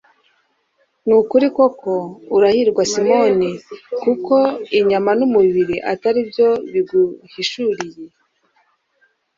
ni ukuri koko "Urahirwa Simoni kuko inyama n'umubiri atari byo bibiguhishunye"